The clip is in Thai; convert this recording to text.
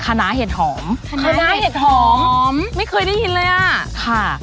คณะเห็ดหอมไม่เคยได้ยินเลยอะค่ะ